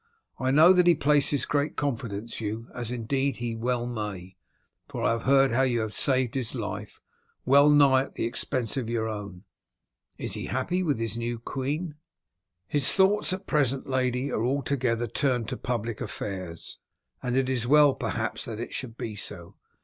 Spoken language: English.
I know that he places great confidence in you, as indeed he well may, for I heard how you had saved his life, well nigh at the expense of your own. Is he happy with his new queen?" "His thoughts at present, lady, are altogether turned to public affairs, and it is well perhaps that it should be so.